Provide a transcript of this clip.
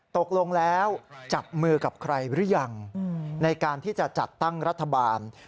ตกลงแล้วจับมือกับใครหรือยังในการที่จะจัดตั้งรัฐบาล